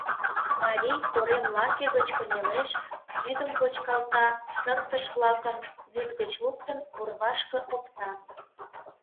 Марий корем лаке гыч кынелеш, вӱдым почкалта, тыртыш-влакым, вӱд гыч луктын, орвашке опта.